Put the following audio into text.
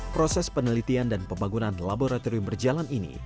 proses penelitian dan pembangunan laboratorium berjalan ini